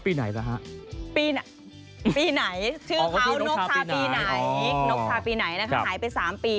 ปีไหนชื่อเขานกชาปีไหนนกชาปีไหนหายไป๓ปี